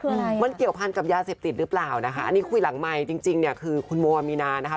คืออะไรมันเกี่ยวพันกับยาเสพติดหรือเปล่านะคะอันนี้คุยหลังไมค์จริงจริงเนี่ยคือคุณโมอามีนานะคะ